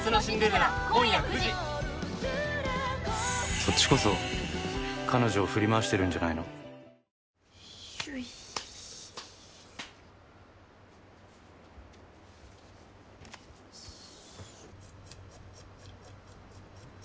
「そっちこそ彼女を振り回してるんじゃないの？」もしもし。